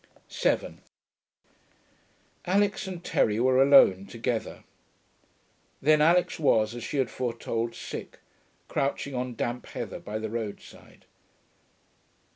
7 Alix and Terry were alone together. Then Alix was, as she had foretold, sick, crouching on damp heather by the roadside.